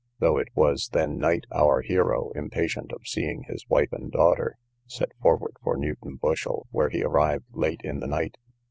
Though it was then night, our hero, impatient of seeing his wife and daughter, set forward for Newton Bushel, where he arrived late in the night.